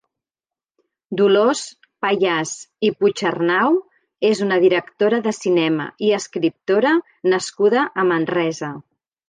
Dolors Payàs i Puigarnau és una directora de cinema i escriptora nascuda a Manresa.